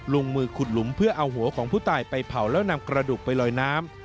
ลงมือขุดหลุมเพื่อเอาหัวของผู้ตายไปเผาแล้วนำกระดูกไปลอยน้ำ